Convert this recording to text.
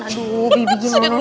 aduh bibi gimana sih